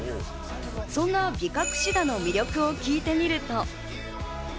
そんなにビカクシダの魅力を聞いてみると。